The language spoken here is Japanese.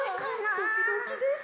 ドキドキです。